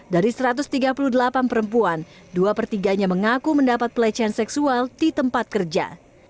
dari satu ratus tiga puluh delapan perempuan dua per tiganya mengaku mendapat pelecehan seksual di tempat kerja